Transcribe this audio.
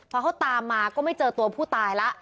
พอเขาตามมาก็ไม่เจอตัวผู้ตายแล้ว